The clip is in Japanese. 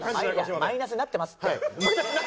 マイナスになってますって。